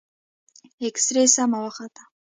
اكسرې سمه وخته.